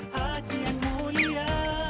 hati yang mulia